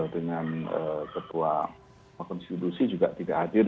dengan ketua konstitusi juga tidak hadir